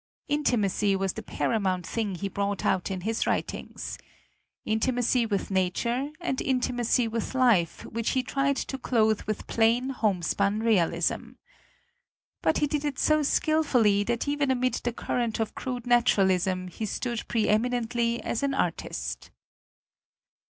Intimacy was the paramount thing he brought out in his writings. Intimacy with nature and intimacy with life, which he tried to clothe with plain home spun realism. But he did it so skillfully that even amid the current of crude naturalism he stood preeminently as an artist.